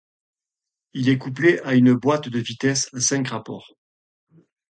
Il est couplé à une boîte de vitesses à cinq rapports.